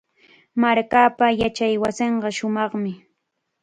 Markaapa yachaywasinqa shumaqmi.